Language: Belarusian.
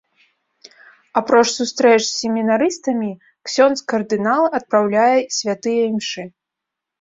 Апроч сустрэч з семінарыстамі, ксёндз кардынал адпраўляе святыя імшы.